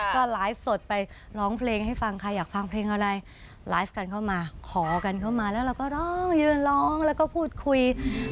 ก็ไลฟ์สดไปร้องเพลงให้ฟังใครอยากฟังเพลงอะไรไลฟ์กันเข้ามาขอกันเข้ามาแล้วเราก็ร้องยืนร้องแล้วก็พูดคุย